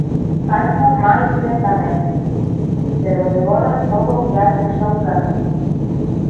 Faino máis lentamente, pero devora todo o que hai no seu camiño.